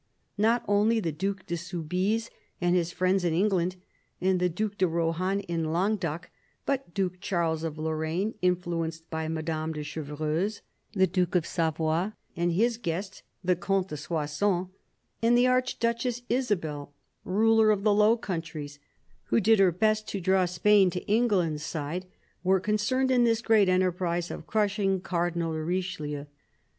Not only the Due de Soubise and his friends in England, and the Due de Rohan in Languedoc, but Duke Charles of Lorraine, influenced by Madame de Chevreuse, the Duke of Savoy and his guest the Comte de Soissons, and the Archduchess Isabel, ruler of the Low Countries, who did her best to draw Spain to England's side, were concerned in this great enterprise of crushing Cardinal de Richelieu.